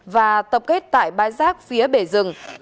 và tập kết tại bãi rác phía bể rừng